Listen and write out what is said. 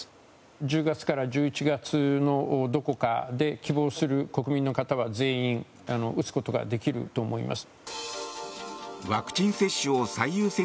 １０月から１１月のどこかで希望する国民の方は全員打つことができると思います。